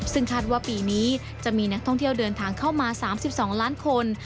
ซึ่งคาดว่าปีนี้จะมีนักท่องเที่ยวเดินทางเข้ามา๓๒ล้านคน